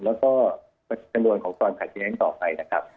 แล้วก็จำนวนของความขัดแย้งต่อไปนะครับ